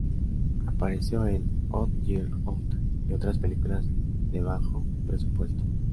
Apareció en "Odd Girl Out" y otras películas de bajo presupuesto.